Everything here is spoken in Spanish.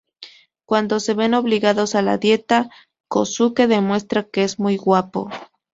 Cuando se ven obligados a la dieta, Kōsuke demuestra que es muy guapo.